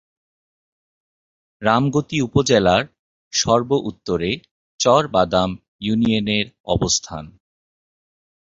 রামগতি উপজেলার সর্ব-উত্তরে চর বাদাম ইউনিয়নের অবস্থান।